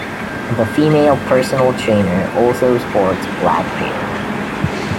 The female personal trainer also sports black hair.